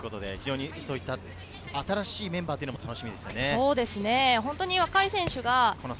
そういった新しいメンバーも楽しみですね。